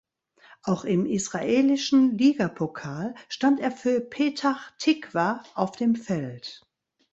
Auch im israelischen Ligapokal stand er für Petach Tikwa auf dem Feld.